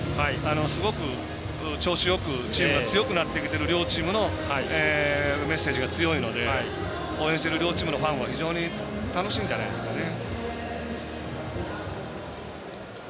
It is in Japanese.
すごく調子よくチームが強くなってきている両チームのメッセージが強いので応援してる両チームのファンは非常に楽しいんじゃないでしょうかね。